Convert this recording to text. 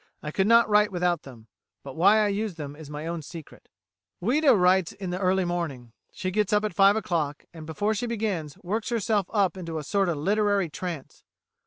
I could not write without them. But why I use them is my own secret." Ouida writes in the early morning. She gets up at five o'clock, and before she begins, works herself up into a sort of literary trance.